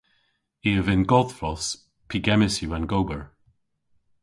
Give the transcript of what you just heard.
I a vynn godhvos pygemmys yw an gober.